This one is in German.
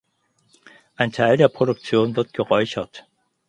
Ein Teil der Produktion wird geräuchert.